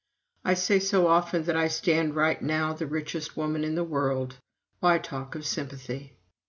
I say so often that I stand right now the richest woman in the world why talk of sympathy?